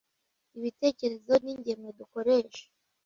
ibitekerezo ningemwe dukoresha,